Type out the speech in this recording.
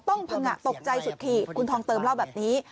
พังงะตกใจสุดขีดคุณทองเติมเล่าแบบนี้